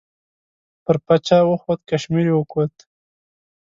پر پچه وخوت کشمیر یې وکوت.